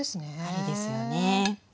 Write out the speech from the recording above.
ありですよね。